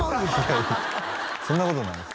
いうてそんなことないです